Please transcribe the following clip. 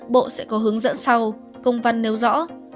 bộ sẽ có hướng dẫn sau công văn nêu rõ